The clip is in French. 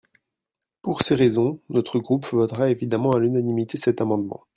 Pour ces raisons, notre groupe votera évidemment à l’unanimité cet amendement.